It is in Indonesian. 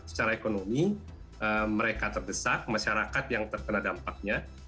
secara ekonomi mereka terdesak masyarakat yang terkena dampaknya